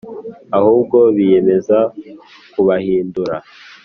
Ahubwo biyemeza kubahindura